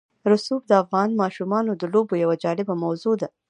رسوب د افغان ماشومانو د لوبو یوه جالبه موضوع ده.